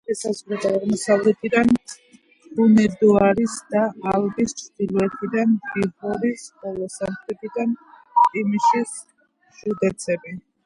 ესაზღვრება აღმოსავლეთიდან ჰუნედოარის და ალბის, ჩრდილოეთიდან ბიჰორის, ხოლო სამხრეთიდან ტიმიშის ჟუდეცები.